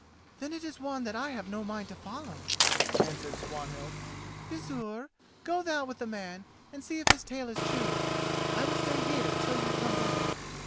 "Then it is one that I have no mind to follow," answered Swanhild. "Gizur, go thou with the man and see if his tale is true. I will stay here till ye come back."